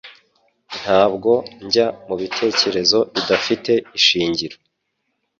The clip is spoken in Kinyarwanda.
Ntabwo njya mubitekerezo bidafite ishingiro